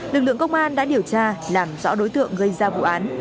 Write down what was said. lực lượng công an đã điều tra làm rõ đối tượng gây ra vụ án